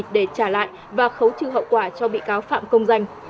để trả lại và khấu trừ hậu quả cho bị cáo phạm công danh